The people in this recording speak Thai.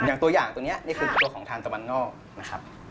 อย่างตัวอย่างตัวนี้นี่คือตัวของทานตะวันนอกนะครับ